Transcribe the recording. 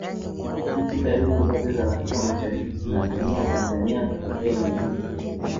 nchi karibu zote za africa mashariki zinatumia tanzania kupokea mizigo